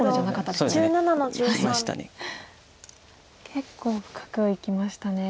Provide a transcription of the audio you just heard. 結構深くいきましたね。